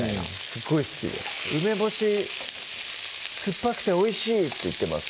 すごい好きで「梅干し酸っぱくておいしい」って言ってます